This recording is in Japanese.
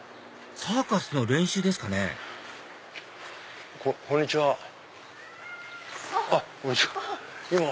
サーカスの練習ですかねこんにちは。